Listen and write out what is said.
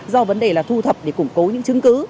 do vấn đề là thu thập để củng cố những chứng cứ